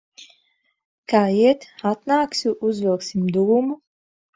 Kā iet? Atnāksi, uzvilksim dūmu?